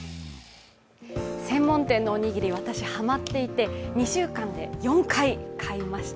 専門店のおにぎり、私、ハマっていて、２週間で４回、買いました。